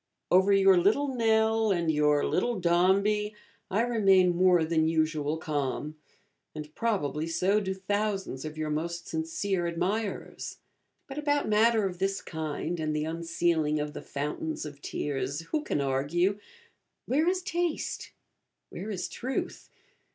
Over your Little Nell and your Little Dombey I remain more than usual calm; and probably so do thousands of your most sincere admirers. But about matter of this kind, and the unsealing of the fountains of tears, who can argue? Where is taste? where is truth?